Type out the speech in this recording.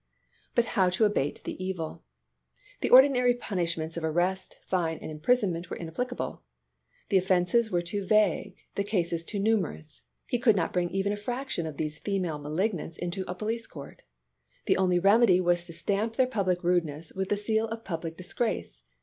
But how abate the evil ! The ordinary punishments of arrest, fine, and im prisonment were inapplicable. The offenses were too vague, the cases too numerous ; he could not bring even a fraction of these female malignants into a police court. The only remedy was to stamp their public rudeness with the seal of public dis grace.